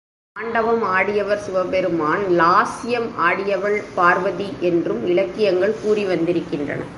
தாண்டவம் ஆடியவர் சிவபெருமான், லாஸ்யம் ஆடியவள் பார்வதி என்றும் இலக்கியங்கள் கூறி வந்திருக்கின்றன.